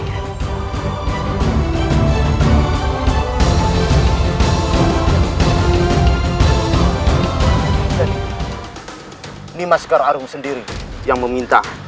ini mas sekar arung sendiri yang meminta